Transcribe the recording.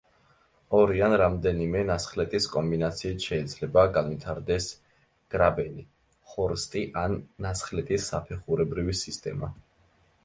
ორი ან რამდენიმე ნასხლეტის კომბინაციით შეიძლება განვითარდეს გრაბენი, ჰორსტი ან ნასხლეტის საფეხურებრივი სისტემა.